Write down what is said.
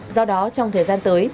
do đó trong thời gian tới